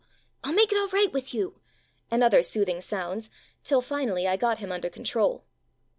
"I'll make it all right with you !" and other soothing sounds, till finally I got him under control.